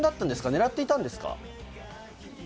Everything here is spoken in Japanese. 狙っていたんですか？